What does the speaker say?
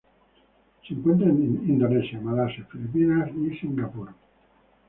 Se encuentra en Indonesia, Malasia, Filipinas, y Singapur.